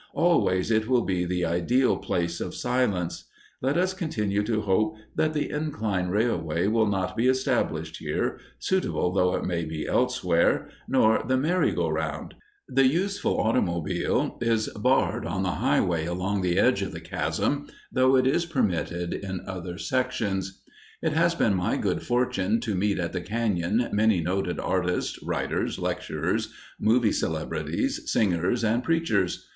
Always it will be the ideal Place of Silence. Let us continue to hope that the incline railway will not be established here, suitable though it may be elsewhere, nor the merry go round. The useful automobile is barred on the highway along the edge of the chasm, though it is permitted in other sections. It has been my good fortune to meet at the cañon many noted artists, writers, lecturers, "movie" celebrities, singers, and preachers.